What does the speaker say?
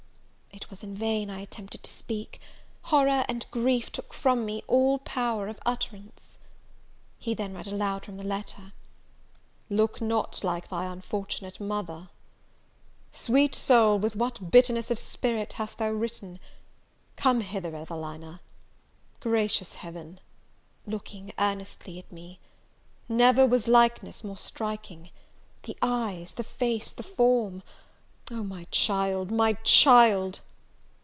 It was in vain I attempted to speak; horror and grief took from me all power of utterance. He then read aloud from the letter, "Look not like thy unfortunate mother!" "Sweet soul, with what bitterness of spirit hast thou written! Come hither, Evelina: Gracious Heaven! (looking earnestly at me) never was likeness more striking! the eyes the face the form Oh, my child, my child!"